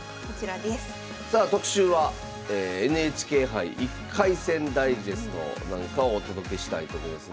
さあ特集は「ＮＨＫ杯１回戦ダイジェスト」なんかをお届けしたいと思います。